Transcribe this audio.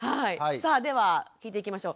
さあでは聞いていきましょう。